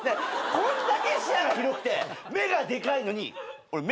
こんだけ視野が広くて目がでかいのに俺目悪いんすよ。